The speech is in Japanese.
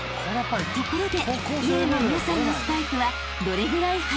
［ところで］